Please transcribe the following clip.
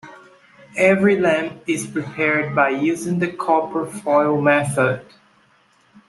Every lamp is prepared by using the copper foil method.